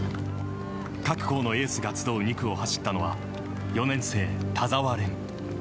各校のエースが集う２区を走ったのは４年生、田澤廉。